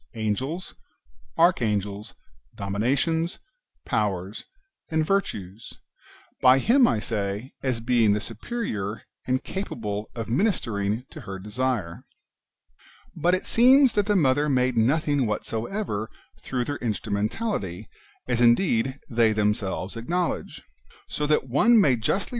Angels, Archangels, Dominations, Powers, and Virtues, — [by him, I say,] as being the superior, and capable of ministering to her desire. But it seems that the Mother made nothing whatever through their instrumentality, as indeed they themselves acknowledge ; so that one may justly 1 The punctuation is here doubtful.